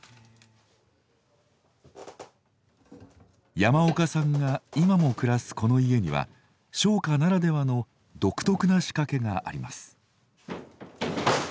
山岡さんが今も暮らすこの家には商家ならではの独特な仕掛けがあります。